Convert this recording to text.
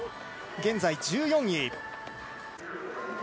現在１４位。